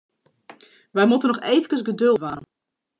Wy moatte noch eefkes geduld dwaan.